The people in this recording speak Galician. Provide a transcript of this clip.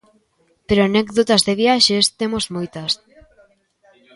Pero anécdotas de viaxes temos moitas.